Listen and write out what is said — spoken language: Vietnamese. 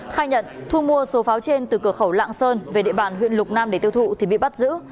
khai nhận thu mua số pháo trên từ cửa khẩu lạng sơn về địa bàn huyện lục nam để tiêu thụ thì bị bắt giữ